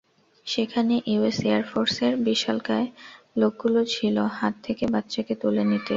সেখানে US air ফোর্সের বিশালকায় লোকগুলো ছিল, হাত থেকে বাচ্চাকে তুলে নিতে।